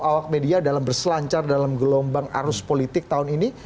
awak media dalam berselancar dalam gelombang arus politik tahun ini